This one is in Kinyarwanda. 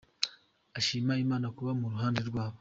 Ashima Imana kuba mu ruhande rwabo.